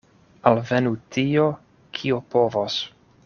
Alvenu tio, kio povos!